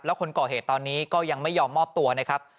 แล้วคนก่อเหตุตอนนี้ก็ยังไม่ยอมมอบตัวนะครับ